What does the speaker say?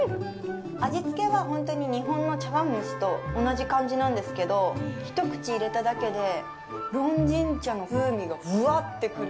味付けは、ほんとに日本の茶碗蒸しと同じ感じなんですけど、一口入れただけで、龍井茶の風味がブワッて来る！